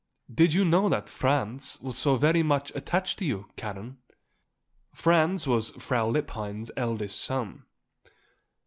Did you know that Franz was very much attached to you, Karen?" Franz was Frau Lippheim's eldest son.